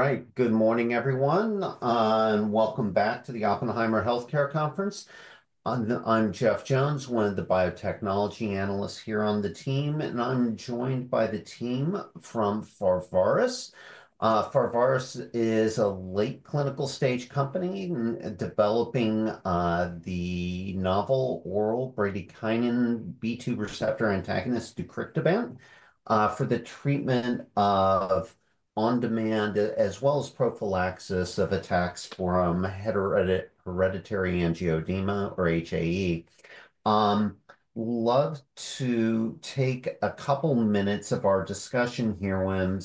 All right, good morning, everyone, and welcome back to the Oppenheimer Healthcare Conference. I'm Jeff Jones, one of the biotechnology analysts here on the team, and I'm joined by the team from Pharvaris. Pharvaris is a late clinical stage company developing the novel oral bradykinin B2 receptor antagonist, deucrictibant, for the treatment of on-demand as well as prophylaxis of attacks from hereditary angioedema, or HAE. I'd love to take a couple of minutes of our discussion here, Wim,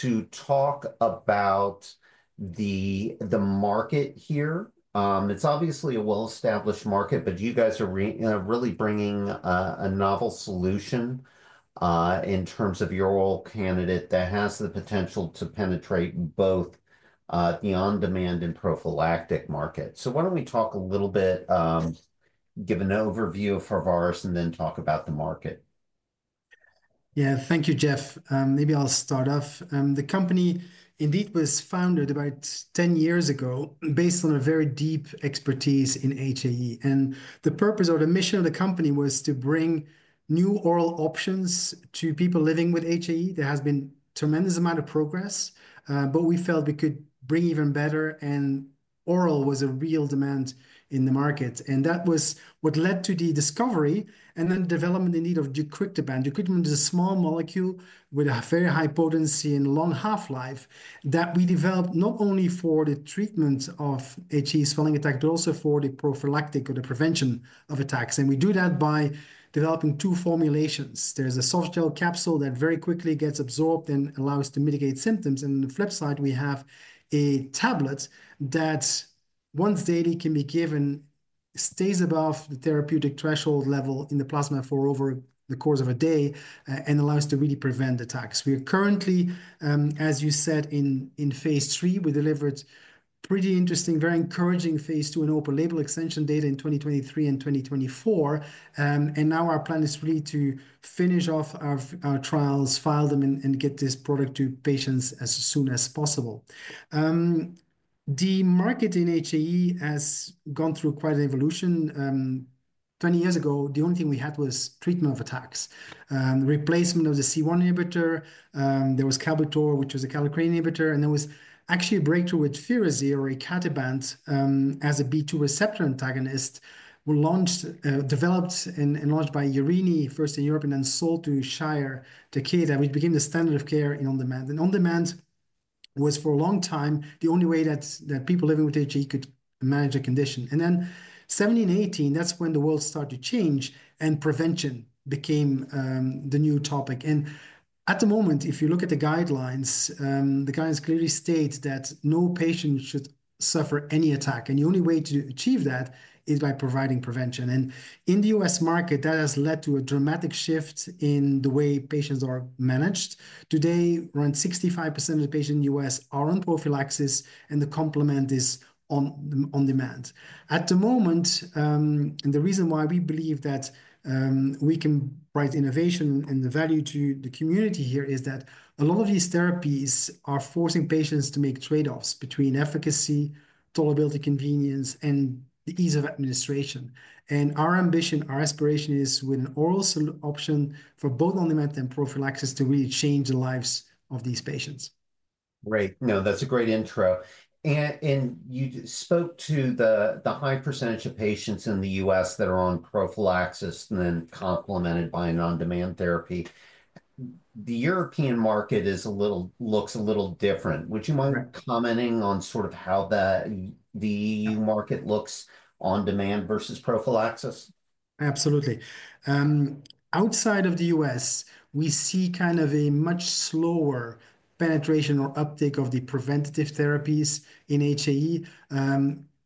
to talk about the market here. It's obviously a well-established market, but you guys are really bringing a novel solution in terms of your oral candidate that has the potential to penetrate both the on-demand and prophylactic market. So why don't we talk a little bit, give an overview of Pharvaris, and then talk about the market? Yeah, thank you, Jeff. Maybe I'll start off. The company indeed was founded about 10 years ago based on a very deep expertise in HAE. And the purpose or the mission of the company was to bring new oral options to people living with HAE. There has been a tremendous amount of progress, but we felt we could bring even better, and oral was a real demand in the market. And that was what led to the discovery and then development in need of deucrictibant. Deucrictibant is a small molecule with a very high potency and long half-life that we developed not only for the treatment of HAE swelling attacks, but also for the prophylactic or the prevention of attacks. And we do that by developing two formulations. There's a softgel capsule that very quickly gets absorbed and allows to mitigate symptoms. On the flip side, we have a tablet that once daily can be given, stays above the therapeutic threshold level in the plasma for over the course of a day, and allows to really prevent attacks. We are currently, as you said, in phase III. We delivered pretty interesting, very encouraging phase II and open-label extension data in 2023 and 2024. Now our plan is really to finish off our trials, file them, and get this product to patients as soon as possible. The market in HAE has gone through quite an evolution. Twenty years ago, the only thing we had was treatment of attacks, replacement of the C1 inhibitor. There was Kalbitor, which was a kallikrein inhibitor. And there was actually a breakthrough with Firazyr, or icatibant, as a B2 receptor antagonist developed and launched by Jerini first in Europe and then sold to Shire, to Takeda, which became the standard of care in on-demand. And on-demand was for a long time the only way that people living with HAE could manage the condition. And then 2017, 2018, that's when the world started to change and prevention became the new topic. And at the moment, if you look at the guidelines, the guidelines clearly state that no patient should suffer any attack. And the only way to achieve that is by providing prevention. And in the U.S. market, that has led to a dramatic shift in the way patients are managed. Today, around 65% of the patients in the U.S. are on prophylaxis, and the complement is on-demand. At the moment, and the reason why we believe that we can provide innovation and the value to the community here is that a lot of these therapies are forcing patients to make trade-offs between efficacy, tolerability, convenience, and the ease of administration, and our ambition, our aspiration is with an oral option for both on-demand and prophylaxis to really change the lives of these patients. Great. No, that's a great intro. And you spoke to the high percentage of patients in the U.S. that are on prophylaxis and then complemented by an on-demand therapy. The European market looks a little different. Would you mind commenting on sort of how the E.U. market looks on-demand versus prophylaxis? Absolutely. Outside of the U.S., we see kind of a much slower penetration or uptake of the preventative therapies in HAE.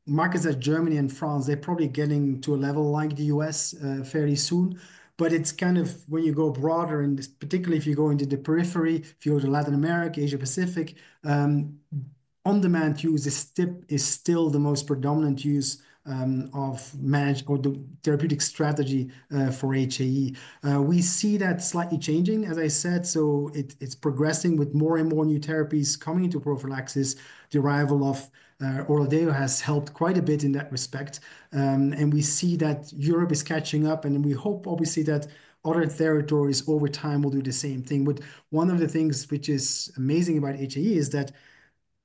Markets like Germany and France, they're probably getting to a level like the U.S. fairly soon. But it's kind of when you go broader, and particularly if you go into the periphery, if you go to Latin America, Asia-Pacific, on-demand use is still the most predominant use of managed or the therapeutic strategy for HAE. We see that slightly changing, as I said. So it's progressing with more and more new therapies coming into prophylaxis. The arrival of Orladeyo has helped quite a bit in that respect. And we see that Europe is catching up. And we hope, obviously, that other territories over time will do the same thing. But one of the things which is amazing about HAE is that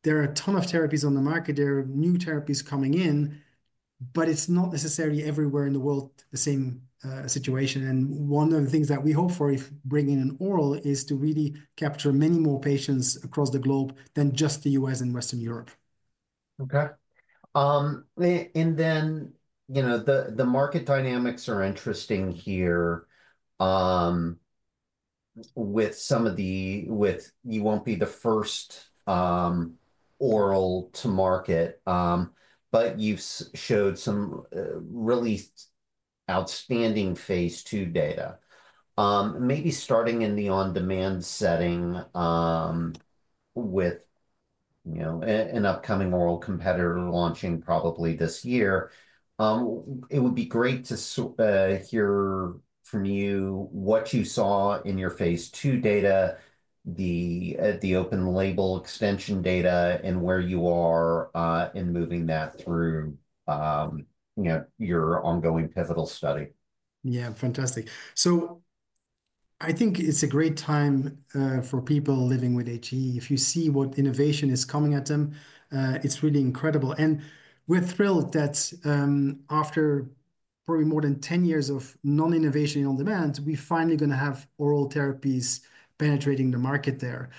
there are a ton of therapies on the market. There are new therapies coming in, but it's not necessarily everywhere in the world the same situation. And one of the things that we hope for is bringing in an oral is to really capture many more patients across the globe than just the U.S. and Western Europe. Okay. And then the market dynamics are interesting here with some of the. You won't be the first oral to market, but you've showed some really outstanding phase II data. Maybe starting in the on-demand setting with an upcoming oral competitor launching probably this year, it would be great to hear from you what you saw in your phase II data, the open-label extension data, and where you are in moving that through your ongoing pivotal study. Yeah, fantastic. So I think it's a great time for people living with HAE. If you see what innovation is coming at them, it's really incredible. And we're thrilled that after probably more than 10 years of non-innovation on-demand, we're finally going to have oral therapies penetrating the market there.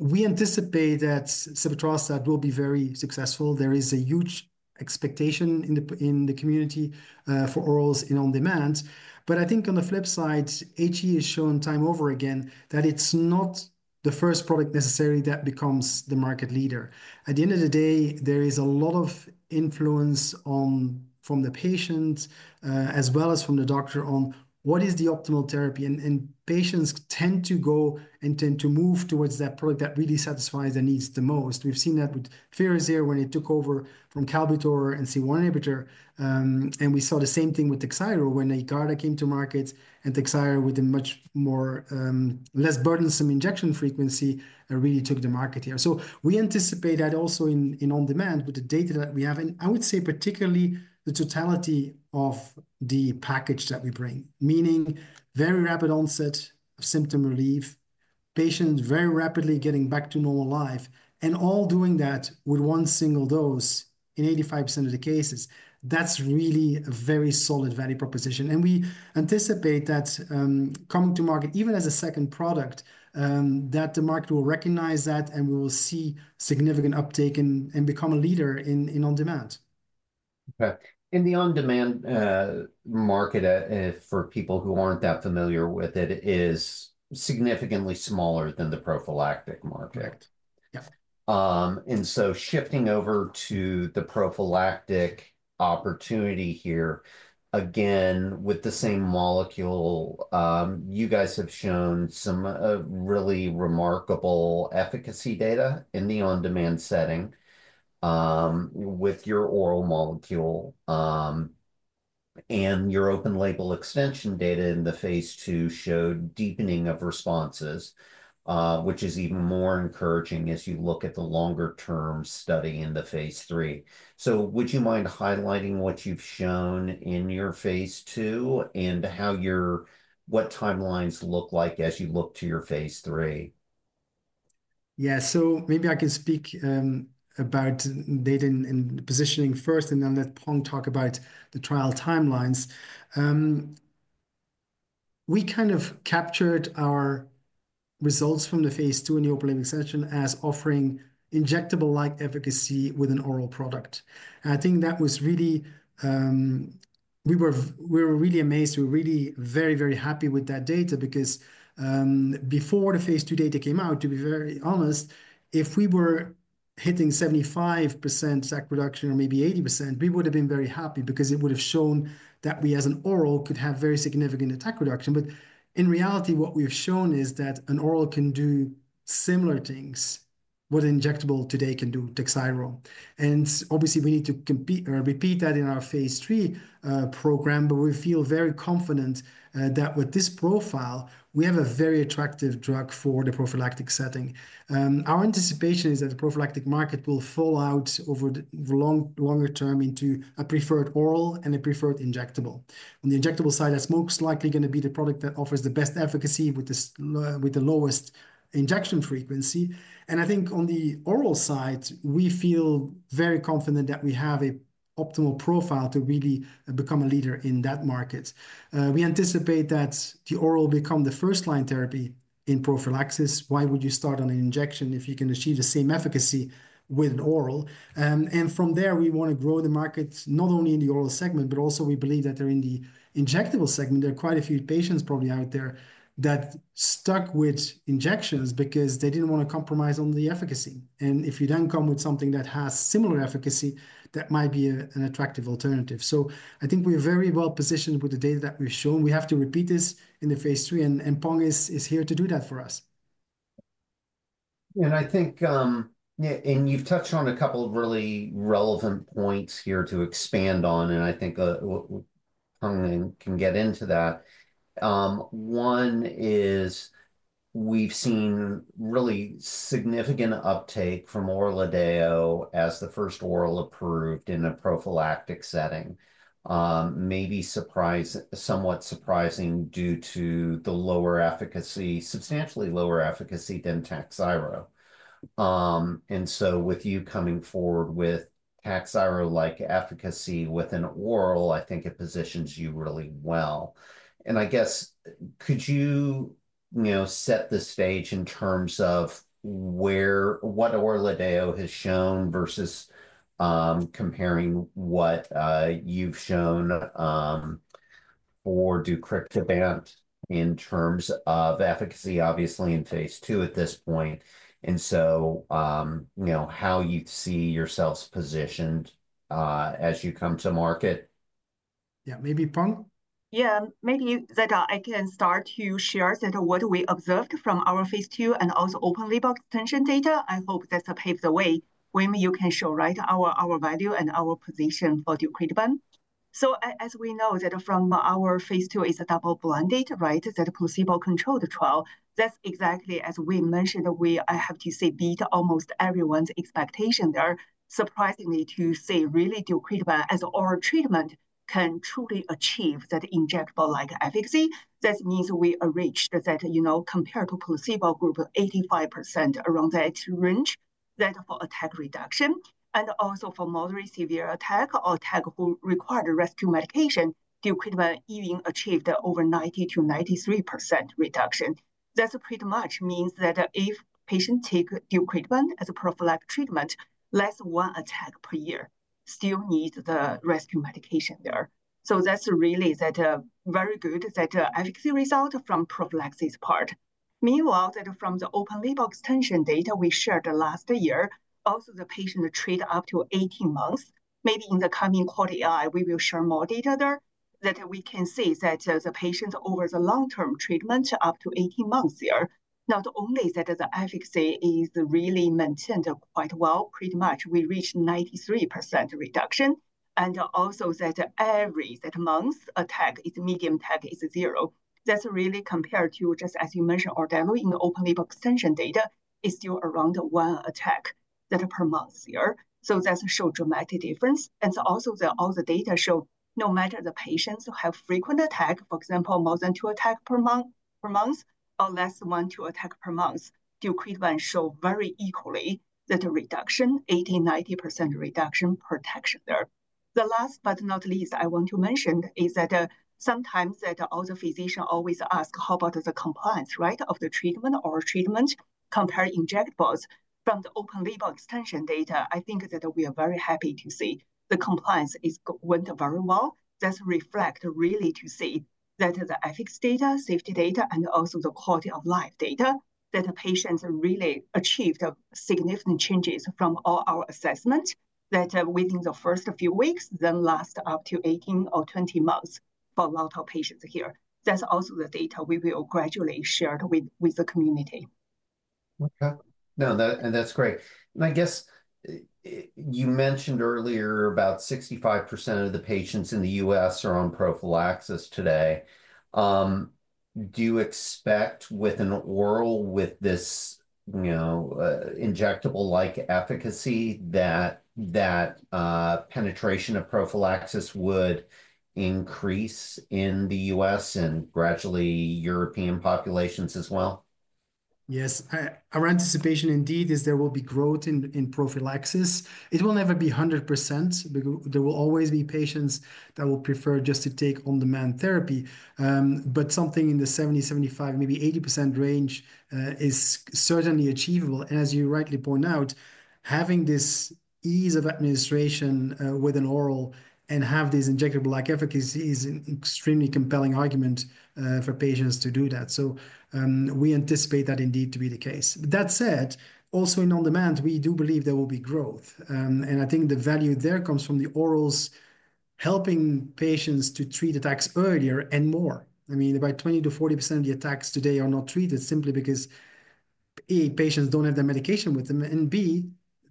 We anticipate that sebetralstat will be very successful. There is a huge expectation in the community for orals in on-demand. But I think on the flip side, HAE has shown time over again that it's not the first product necessarily that becomes the market leader. At the end of the day, there is a lot of influence from the patient as well as from the doctor on what is the optimal therapy. And patients tend to go and tend to move towards that product that really satisfies their needs the most. We've seen that with Firazyr when it took over from Kalbitor and C1 inhibitor. And we saw the same thing with Takhzyro when Haegarda came to market and Takhzyro with a much more less burdensome injection frequency really took the market here. So we anticipate that also in on-demand with the data that we have. And I would say particularly the totality of the package that we bring, meaning very rapid onset of symptom relief, patients very rapidly getting back to normal life, and all doing that with one single dose in 85% of the cases. That's really a very solid value proposition. And we anticipate that coming to market even as a second product, that the market will recognize that and we will see significant uptake and become a leader in on-demand. Okay. And the on-demand market for people who aren't that familiar with it is significantly smaller than the prophylactic market. And so shifting over to the prophylactic opportunity here, again, with the same molecule, you guys have shown some really remarkable efficacy data in the on-demand setting with your oral molecule. And your open label extension data in the phase II showed deepening of responses, which is even more encouraging as you look at the longer-term study in the phase III. So would you mind highlighting what you've shown in your phase II and what timelines look like as you look to your phase III? Yeah, so maybe I can speak about data and positioning first, and then at that point, talk about the trial timelines. We kind of captured our results from the phase II in the open label extension as offering injectable-like efficacy with an oral product. And I think that was really. We were really very, very happy with that data because before the phase II data came out, to be very honest, if we were hitting 75% attack reduction or maybe 80%, we would have been very happy because it would have shown that we as an oral could have very significant attack reduction. But in reality, what we have shown is that an oral can do similar things what an injectable today can do, Takhzyro. Obviously, we need to repeat that in our phase III program, but we feel very confident that with this profile, we have a very attractive drug for the prophylactic setting. Our anticipation is that the prophylactic market will fall out over the longer term into a preferred oral and a preferred injectable. On the injectable side, that's most likely going to be the product that offers the best efficacy with the lowest injection frequency. I think on the oral side, we feel very confident that we have an optimal profile to really become a leader in that market. We anticipate that the oral will become the first-line therapy in prophylaxis. Why would you start on an injection if you can achieve the same efficacy with an oral? From there, we want to grow the market not only in the oral segment, but also we believe that in the injectable segment, there are quite a few patients probably out there that stuck with injections because they didn't want to compromise on the efficacy. If you then come with something that has similar efficacy, that might be an attractive alternative. I think we're very well positioned with the data that we've shown. We have to repeat this in the phase III, and Peng is here to do that for us. And I think, and you've touched on a couple of really relevant points here to expand on, and I think Peng can get into that. One is we've seen really significant uptake from Orladeyo as the first oral approved in a prophylactic setting, maybe somewhat surprising due to the substantially lower efficacy than Takhzyro. And so with you coming forward with Takhzyro-like efficacy with an oral, I think it positions you really well. And I guess, could you set the stage in terms of what Orladeyo has shown versus comparing what you've shown for deucrictibant in terms of efficacy, obviously, in phase II at this point? And so how you see yourselves positioned as you come to market? Yeah, maybe Peng? Yeah, maybe I can start to share what we observed from our phase II and also open label extension data. I hope that paves the way when you can show our value and our position for deucrictibant. So as we know that from our phase II is a double-blind, right? That placebo-controlled trial. That's exactly as we mentioned. I have to say beat almost everyone's expectation there. Surprisingly to say really deucrictibant as oral treatment can truly achieve that injectable-like efficacy. That means we reached that compared to placebo group, 85% around that range for attack reduction, and also for moderate severe attack or attack who required rescue medication, deucrictibant even achieved over 90%-93% reduction. That pretty much means that if patients take deucrictibant as a prophylactic treatment, less than one attack per year still needs the rescue medication there. That's really very good efficacy result from prophylaxis part. Meanwhile, from the open label extension data we shared last year, also the patients treated up to 18 months. Maybe in the coming quarter, we will share more data there that we can see that the patients over the long-term treatment up to 18 months here, not only that the efficacy is really maintained quite well, pretty much we reached 93% reduction. And also that every month attack is median attack is zero. That's really compared to just as you mentioned, Orladeyo in the open label extension data is still around one attack per month here. So that's a huge dramatic difference. And also all the data show no matter the patients who have frequent attack, for example, more than two attacks per month or less than one or two attacks per month, deucrictibant show very equally that reduction, 80%-90% reduction protection there. The last but not least I want to mention is that sometimes all the physicians always ask, how about the compliance of the treatment or treatment compared to injectables? From the open label extension data, I think that we are very happy to see the compliance went very well. That's reflect really to see that the efficacy data, safety data, and also the quality of life data that the patients really achieved significant changes from all our assessment that within the first few weeks, then last up to 18 or 20 months for a lot of patients here. That's also the data we will gradually share with the community. Okay. No, that's great. And I guess you mentioned earlier about 65% of the patients in the U.S. are on prophylaxis today. Do you expect with an oral with this injectable-like efficacy that penetration of prophylaxis would increase in the U.S. and gradually European populations as well? Yes. Our anticipation indeed is there will be growth in prophylaxis. It will never be 100%. There will always be patients that will prefer just to take on-demand therapy. But something in the 70%, 75%, maybe 80% range is certainly achievable. And as you rightly point out, having this ease of administration with an oral and have these injectable-like efficacies is an extremely compelling argument for patients to do that. So we anticipate that indeed to be the case. That said, also in on-demand, we do believe there will be growth. And I think the value there comes from the orals helping patients to treat attacks earlier and more. I mean, about 20%-40% of the attacks today are not treated simply because A, patients don't have their medication with them, and B,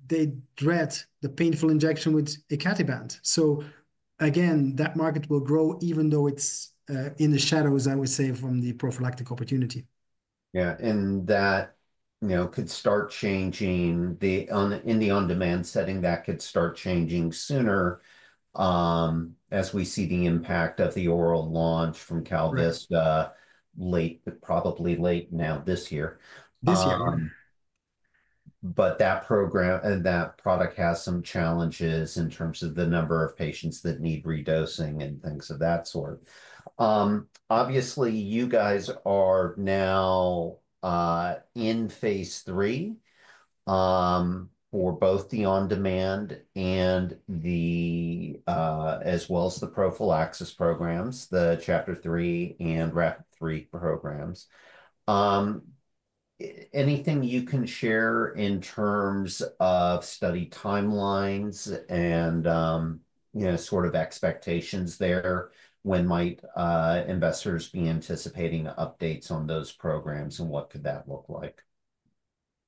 they dread the painful injection with icatibant. So again, that market will grow even though it's in the shadows, I would say, from the prophylactic opportunity. Yeah. And that could start changing in the on-demand setting, that could start changing sooner as we see the impact of the oral launch from KalVista probably late now this year. This year. But that program and that product has some challenges in terms of the number of patients that need redosing and things of that sort. Obviously, you guys are now in phase III for both the on-demand as well as the prophylaxis programs, the CHAPTER-3 and RAPIDe-3 programs. Anything you can share in terms of study timelines and sort of expectations there? When might investors be anticipating updates on those programs and what could that look like?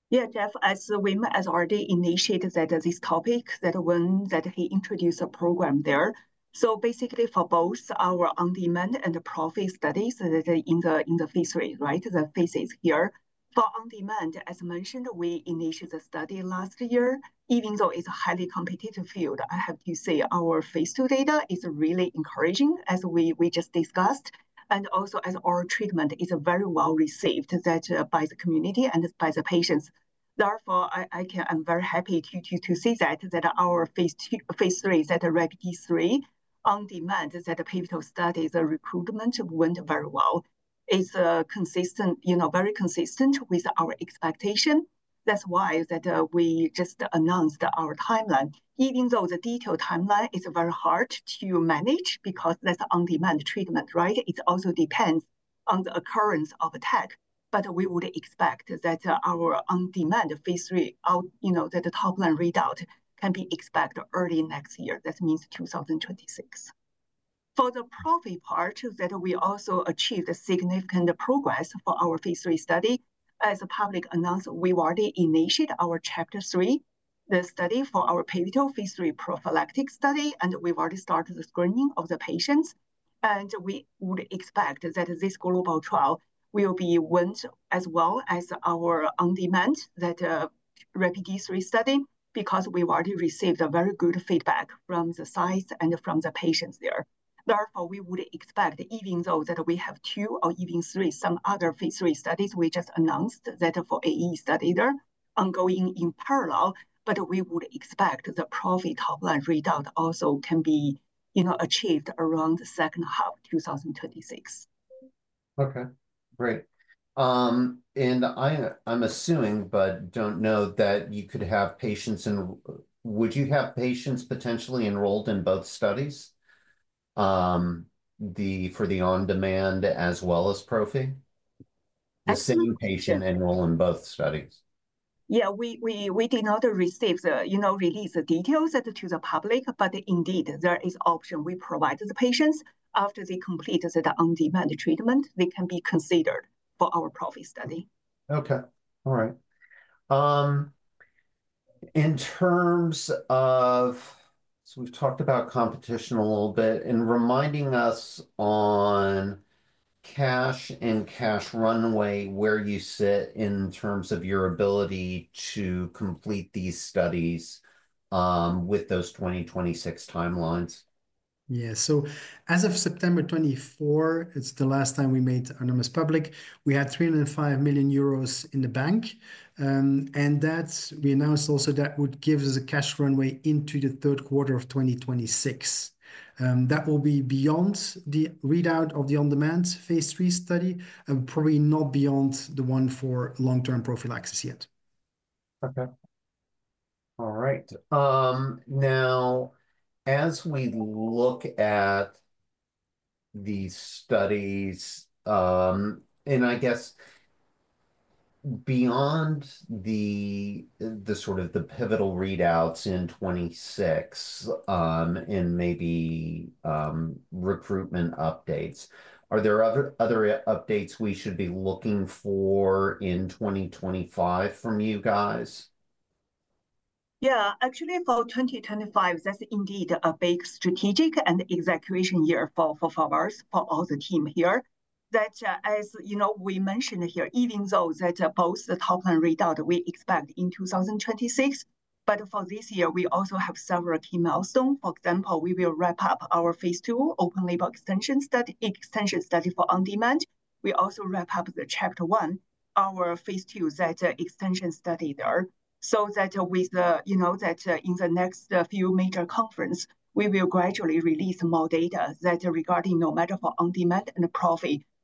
Yeah, Jeff, as Wim has already initiated this topic, that when he introduced a program there. So basically for both our on-demand and the prophylactic studies in the phase III, right? The phases here. For on-demand, as mentioned, we initiated the study last year. Even though it's a highly competitive field, I have to say our phase II data is really encouraging as we just discussed. And also as our treatment is very well received by the community and by the patients. Therefore, I'm very happy to see that our phase III, that the RAPIDe-3, on-demand, that the pivotal studies recruitment went very well. It's very consistent with our expectation. That's why we just announced our timeline. Even though the detailed timeline is very hard to manage because that's on-demand treatment, right? It also depends on the occurrence of attack. But we would expect that our on-demand phase III, that the top line readout can be expected early next year. That means 2026. For the prophylaxis part, that we also achieved significant progress for our phase III study. As a public announcement, we have already initiated our CHAPTER-3, the study for our pivotal phase III prophylactic study, and we have already started the screening of the patients. And we would expect that this global trial will go as well as our on-demand, that RAPIDe-3 study because we have already received very good feedback from the sites and from the patients there. Therefore, we would expect even though that we have two or even three, some other phase III studies we just announced that for AAE study they're ongoing in parallel, but we would expect the prophylaxis top line readout also can be achieved around the second half, 2026. Okay. Great. And I'm assuming, but don't know, that you could have patients in. Would you have patients potentially enrolled in both studies for the on-demand as well as prophylaxis? The same patient enroll in both studies? Yeah, we did not release the details to the public, but indeed there is an option we provide to the patients after they complete the on-demand treatment. They can be considered for our prophylaxis study. Okay. All right. In terms of, so we've talked about competition a little bit and reminding us on cash and cash runway, where you sit in terms of your ability to complete these studies with those 2026 timelines? Yeah. As of September 24, it's the last time we made an announcement public. We had 305 million euros in the bank. We announced also that would give us a cash runway into the third quarter of 2026. That will be beyond the readout of the on-demand phase III study and probably not beyond the one for long-term prophylaxis yet. Okay. All right. Now, as we look at these studies, and I guess beyond the sort of pivotal readouts in 2026 and maybe recruitment updates, are there other updates we should be looking for in 2025 from you guys? Yeah. Actually, for 2025, that's indeed a big strategic and execution year for us, for all the team here. That, as we mentioned here, even though that both the top line readout we expect in 2026, but for this year, we also have several key milestones. For example, we will wrap up our phase II open label extension study, extension study for on-demand. We also wrap up the CHAPTER-1, our phase II extension study there. So that with that in the next few major conferences, we will gradually release more data regarding no matter for on-demand and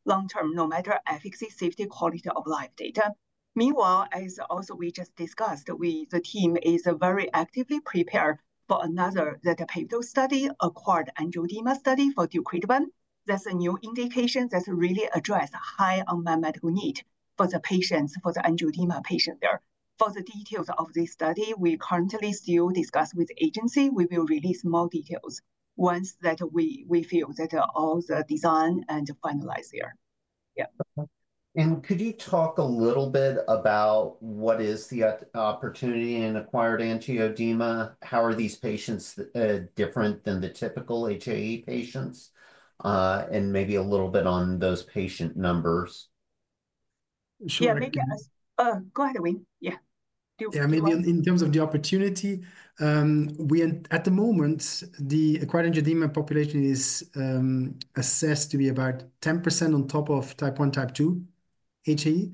prophylaxis, long-term, no matter efficacy, safety, quality of life data. Meanwhile, as we also just discussed, the team is very actively prepared for another pivotal study, acquired angioedema study for deucrictibant. That's a new indication that really addresses high unmet medical need for the patients, for the angioedema patients there. For the details of this study, we currently still discuss with the agency. We will release more details once that we feel that all the design and finalize here. Yeah. And could you talk a little bit about what is the opportunity in acquired angioedema? How are these patients different than the typical HAE patients? And maybe a little bit on those patient numbers? Yeah, maybe go ahead, Wim. Yeah. Yeah, maybe in terms of the opportunity, at the moment, the acquired angioedema population is assessed to be about 10% on top of type 1, type 2 HAE.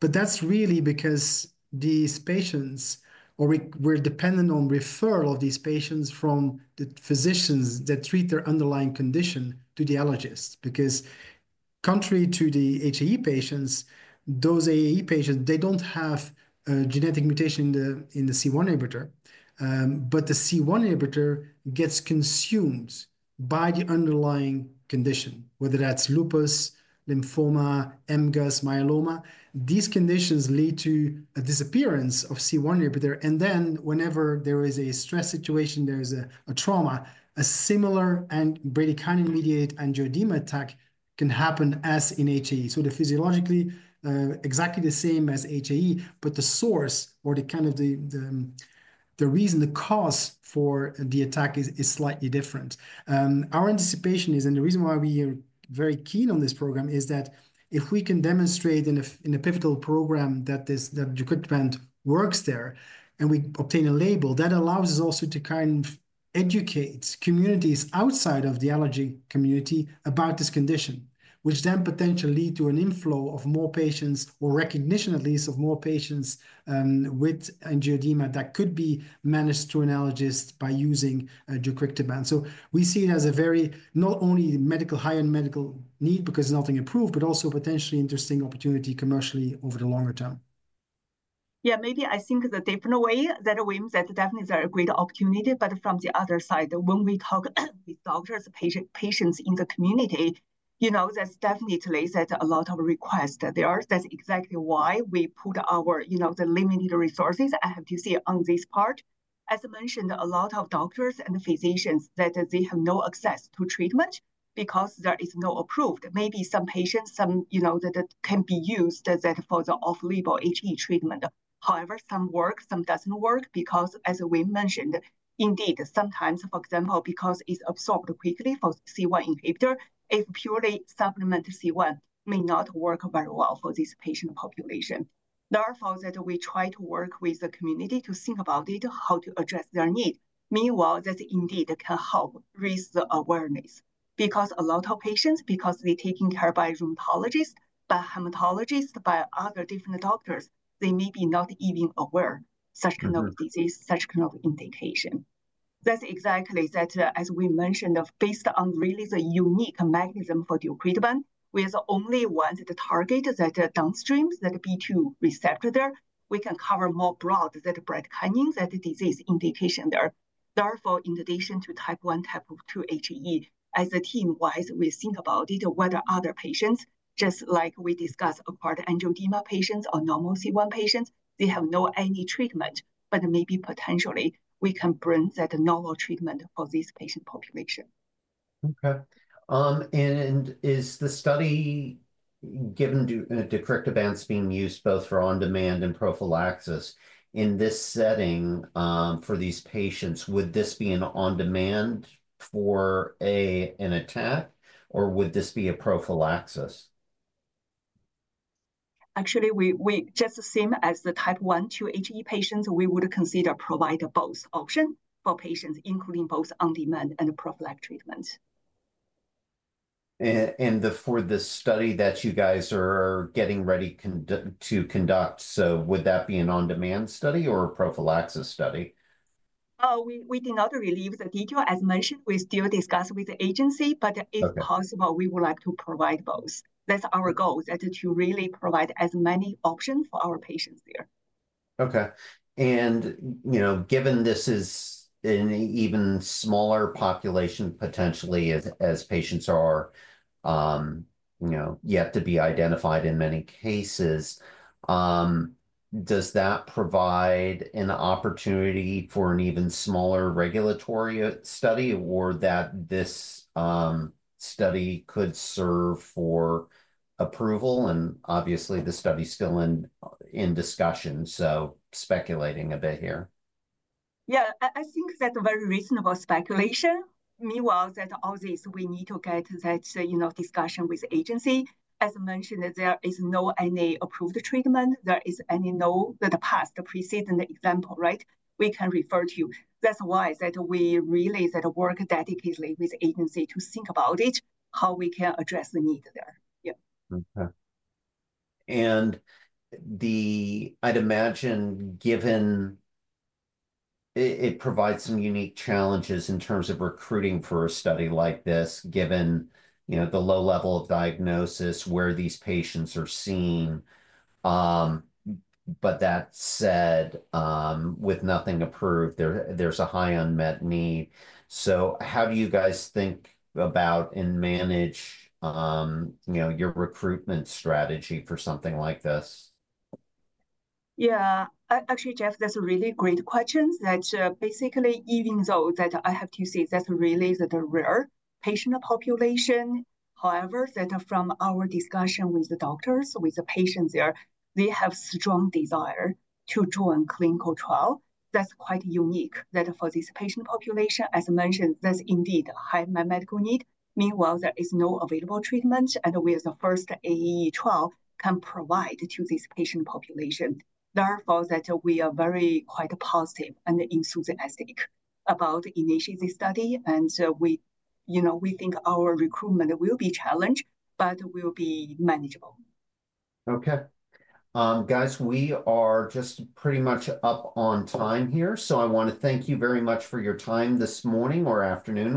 But that's really because these patients, or we're dependent on referral of these patients from the physicians that treat their underlying condition to the allergist. Because contrary to the HAE patients, those AAE patients, they don't have a genetic mutation in the C1 inhibitor. But the C1 inhibitor gets consumed by the underlying condition, whether that's lupus, lymphoma, MGUS, myeloma. These conditions lead to a disappearance of C1 inhibitor. And then whenever there is a stress situation, there's a trauma, a similar and bradykinin-mediated angioedema attack can happen as in HAE. So physiologically, exactly the same as HAE, but the source or the kind of the reason, the cause for the attack is slightly different. Our anticipation is, and the reason why we are very keen on this program is that if we can demonstrate in a pivotal program that deucrictibant works there and we obtain a label, that allows us also to kind of educate communities outside of the allergy community about this condition, which then potentially lead to an inflow of more patients or recognition at least of more patients with angioedema that could be managed through an allergist by using deucrictibant. So we see it as a very not only medical high-end medical need because nothing approved, but also potentially interesting opportunity commercially over the longer term. Yeah, maybe I think that definitely that, Wim, that definitely is a great opportunity. But from the other side, when we talk with doctors, patients in the community, there's definitely a lot of requests there. That's exactly why we put our limited resources I have to say on this part. As mentioned, a lot of doctors and physicians that they have no access to treatment because there is no approved. Maybe some patients that can use the off-label HAE treatment. However, some work, some doesn't work because as Wim mentioned, indeed sometimes, for example, because it's absorbed quickly for C1 inhibitor, if purely supplement C1 may not work very well for this patient population. Therefore, we try to work with the community to think about it, how to address their need. Meanwhile, that indeed can help raise the awareness because a lot of patients, because they're taken care by rheumatologists, by hematologists, by other different doctors, they may be not even aware of such kind of disease, such kind of indication. That's exactly that as we mentioned, based on really the unique mechanism for deucrictibant, we have only one target that downstream that B2 receptor there. We can cover more broad that bradykinin-inducing disease indication there. Therefore, in addition to type 1, type 2 HAE, as a team-wise, we think about it, whether other patients, just like we discussed acquired angioedema patients or normal C1 patients, they have no any treatment, but maybe potentially we can bring that normal treatment for this patient population. Okay. And is the study given deucrictibant being used both for on-demand and prophylaxis in this setting for these patients? Would this be an on-demand for an attack or would this be a prophylaxis? Actually, just the same as the type 1, 2 HAE patients, we would consider provide both options for patients, including both on-demand and prophylactic treatments. For the study that you guys are getting ready to conduct, so would that be an on-demand study or a prophylaxis study? We did not release the detail as mentioned. We still discuss with the agency, but if possible, we would like to provide both. That's our goal, to really provide as many options for our patients there. Okay. And given this is an even smaller population potentially as patients are yet to be identified in many cases, does that provide an opportunity for an even smaller regulatory study or that this study could serve for approval? And obviously, the study's still in discussion, so speculating a bit here. Yeah, I think that's a very reasonable speculation. Meanwhile, that all this, we need to get that discussion with the agency. As mentioned, there is no any approved treatment. There is any no that past precedent example, right? We can refer to. That's why that we really work dedicatedly with the agency to think about it, how we can address the need there. Yeah. Okay. And I'd imagine given it provides some unique challenges in terms of recruiting for a study like this, given the low level of diagnosis where these patients are seen. But that said, with nothing approved, there's a high unmet need. So how do you guys think about and manage your recruitment strategy for something like this? Yeah. Actually, Jeff, that's a really great question. That basically, even though that I have to say that's really the rare patient population, however, from our discussion with the doctors, with the patients there, they have strong desire to join clinical trial. That's quite unique that for this patient population, as mentioned, that's indeed a high medical need. Meanwhile, there is no available treatment, and we as a first AAE trial can provide to this patient population. Therefore, that we are very quite positive and enthusiastic about initiating this study. And we think our recruitment will be challenged, but will be manageable. Okay. Guys, we are just pretty much up on time here, so I want to thank you very much for your time this morning or afternoon.